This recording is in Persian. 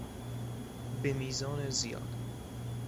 به میزان زیاد